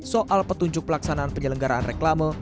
soal petunjuk pelaksanaan penyelenggaraan reklame